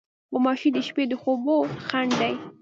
غوماشې د شپې د خوبو خنډ دي.